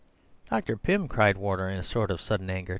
"Dr. Pym!" cried Warner in a sort of sudden anger.